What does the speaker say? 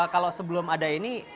kalau sebelum ada ini